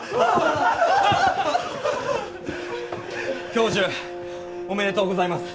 教授おめでとうございます！